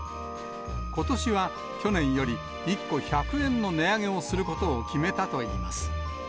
ことしは去年より１個１００円の値上げをすることを決めたといいます。